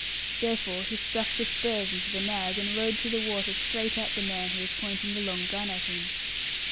Therefore he struck the spurs into the nag, and rode through the water straight at the man who was pointing the long gun at him.